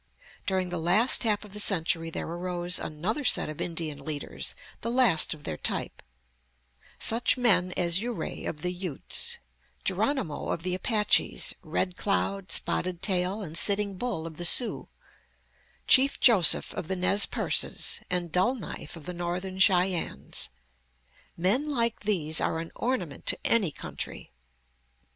During the last half of the century there arose another set of Indian leaders, the last of their type such men as Ouray of the Utes, Geronimo of the Apaches, Red Cloud, Spotted Tail, and Sitting Bull of the Sioux, Chief Joseph of the Nez Perces, and Dull Knife of the Northern Cheyennes. Men like these are an ornament to any country.